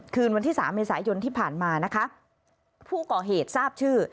คืนวันที่สามเมษายนที่ผ่านมานะคะผู้ก่อเหตุทราบชื่อ